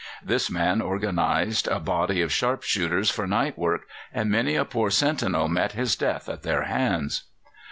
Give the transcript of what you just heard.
This man organized a body of sharp shooters for night work, and many a poor sentinel met his death at their hands.